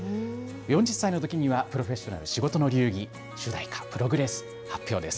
４０歳のときには、プロフェッショナル仕事の流儀主題歌、Ｐｒｏｇｒｅｓｓ発表です。